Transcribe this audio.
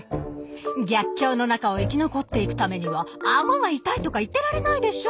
逆境の中を生き残っていくためにはアゴが痛いとか言ってられないでしょ！